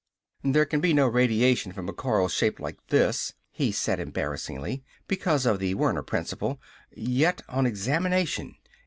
"There can be no radiation from a coil shaped like this," he said embarrassedly, "because of the Werner Principle.... Yet on examination